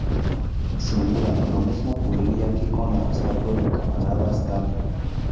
Sin duda, lo mismo ocurrirá aquí con la estatua del Camarada Stalin.